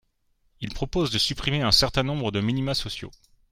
Il propose de supprimer un certain nombre de minima sociaux.